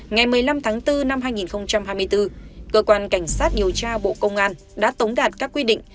ngày một mươi năm tháng bốn năm hai nghìn hai mươi bốn cơ quan cảnh sát điều tra bộ công an đã tống đạt các quy định